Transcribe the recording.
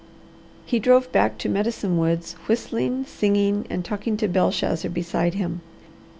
He drove back to Medicine Woods whistling, singing, and talking to Belshazzar beside him.